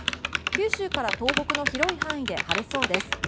九州から東北の広い範囲で晴れそうです。